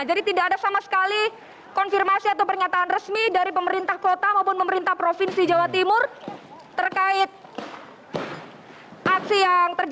jadi tidak ada sama sekali konfirmasi atau pernyataan resmi dari pemerintah kota maupun pemerintah provinsi jawa timur terkait aksi yang terjadi